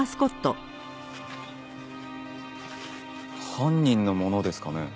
犯人のものですかね？